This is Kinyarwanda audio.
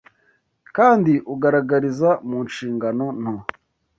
kandi ugaragariza mu nshingano nto